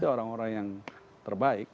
orang orang yang terbaik